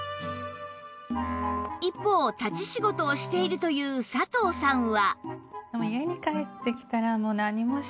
一方立ち仕事をしているという佐藤さんは